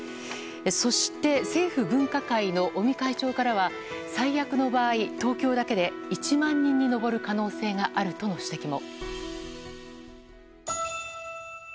そして、政府分科会の尾身会長からは最悪の場合、東京だけで１万人に上る可能性があるとの指摘も。